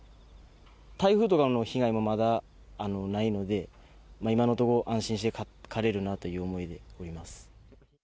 台風とかの被害もまだないので、今のところ、安心して刈れるなという思いでおります。